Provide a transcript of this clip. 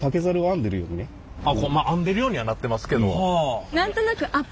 編んでるようにはなってますけど。